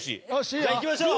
じゃあいきましょう。